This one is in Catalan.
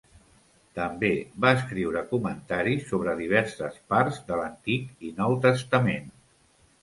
També va escriure comentaris sobre diverses parts de l'Antic i Nou Testament.